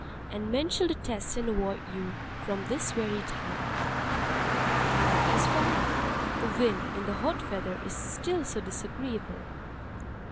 And men shall detest and avoid you from this very time." (And that is why the Wind in the hot weather is still so disagreeable.)